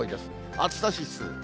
暑さ指数。